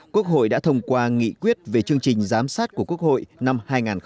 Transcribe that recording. quốc hội đã thông qua nghị quyết về chương trình giám sát của quốc hội năm hai nghìn hai mươi